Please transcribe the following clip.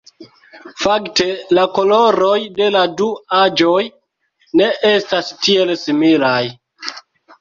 Fakte la koloroj de la du aĵoj ne estas tiel similaj.